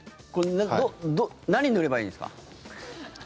何塗ればいいんですか？